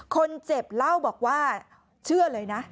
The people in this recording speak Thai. คนเจ็บเล่าบอกว่าเชื่อเลยนะ